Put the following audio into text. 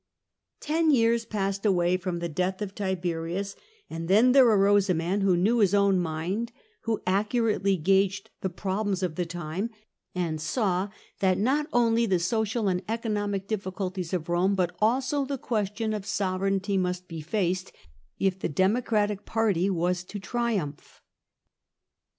Ten years passed away from the death of Tiberius, and then there arose a man who knew his own mind, who accurately gauged the problems of the time, and saw that not only the social and economic difficulties of Rome, but also the question of sovereignty must be faced, if the Democratic party was to triumph.